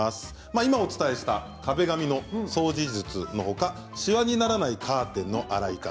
今お伝えした壁紙の掃除術のほかしわにならないカーテンの洗い方